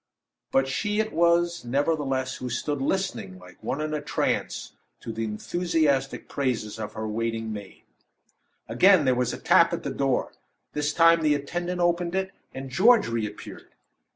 But she it was, nevertheless, who stood listening like one in a trance, to the enthusiastic praises of her waiting maid. Again there was a tap at the door. This time the attendant opened it, and George reappeared.